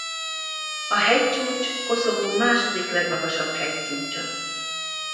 A hegycsúcs Koszovó második legmagasabb hegycsúcsa.